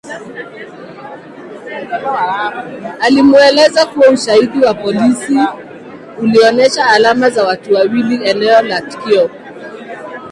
Alimueleza kuwa Ushahidi wa polisi ulionyesha alama za watu waiwili eneo la tukio